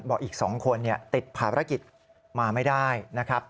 บอกอีก๒คนติดภารกิจมาไม่ได้นะครับ